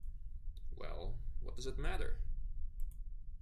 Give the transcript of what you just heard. Well, what does it matter?